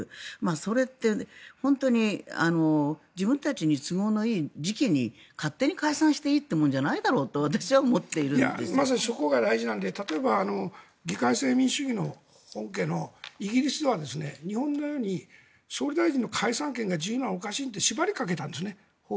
それって本当に自分たちに都合のいい時期に勝手に解散していいものじゃないだろうとまさにそこが大事なんで例えば議会制民主主義の本家のイギリスでは日本のように総理大臣の解散権が自由なのはおかしいって縛りをかけたんです。